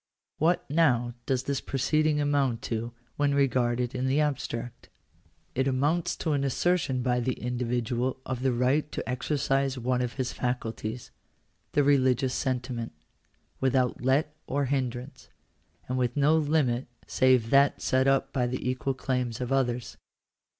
What now does this proceeding amount to when regarded m Digitized by VjOOQIC 214 THE RIGHT TO IGNORE THE STATE. the abstract ? It amounts to an assertion Jby the individual of the right to exercise one of his faculties — the religious senti ment—without let or hindrance, and with no limit save that set up by the equal claims of others.